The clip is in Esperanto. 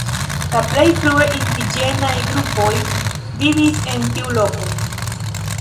La plej frue indiĝenaj grupoj vivis en tiu loko.